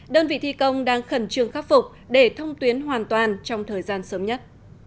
đơn vị thi công đang khẩn trương khắc phục để thông tuyến hoàn toàn trong thời gian sớm nhất